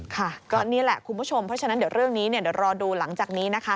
ค่ะก็นี่แหละคุณผู้ชมเพราะฉะนั้นเดี๋ยวเรื่องนี้เดี๋ยวรอดูหลังจากนี้นะคะ